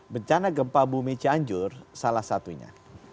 bencana gempa bumi cianjur salah satunya